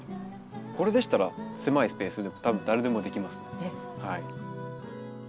これでしたら狭いスペースでたぶん誰でもできますね。